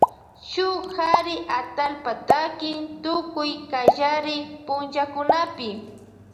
Shuk kari atallpa takin tukuy kallari punllakunapi.